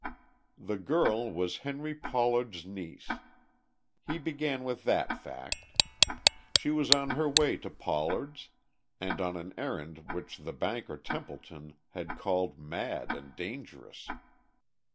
The girl was Henry Pollard's niece. He began with that fact. She was on her way to Pollard's and on an errand which the banker Templeton had called mad and dangerous.